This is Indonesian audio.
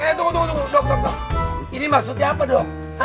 eh tunggu tunggu tunggu dokter ini maksudnya apa dok